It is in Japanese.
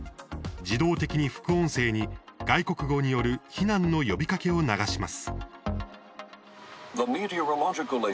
自動的に副音声に外国語による避難の呼びかけを流します。